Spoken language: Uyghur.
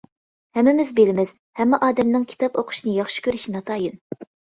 ھەممىمىز بىلىمىز، ھەممە ئادەمنىڭ كىتاب ئوقۇشنى ياخشى كۆرۈشى ناتايىن.